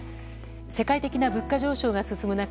世界的な物価上昇が進む中